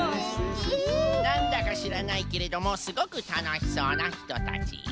なんだかしらないけれどもすごくたのしそうなひとたち。